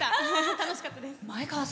楽しかったです。